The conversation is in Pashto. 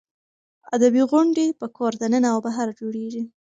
ادبي غونډې په کور دننه او بهر جوړېږي.